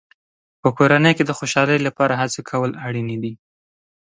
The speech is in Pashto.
په کورنۍ کې د خوشحالۍ لپاره هڅې کول اړینې دي.